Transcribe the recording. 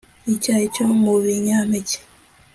icyayi cyo mu binyampeke